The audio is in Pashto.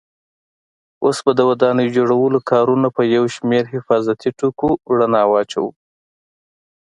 اوس به د ودانۍ جوړولو کارونو په یو شمېر حفاظتي ټکو رڼا واچوو.